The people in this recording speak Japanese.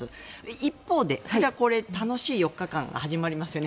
一方で楽しい４日間が始まりますよね。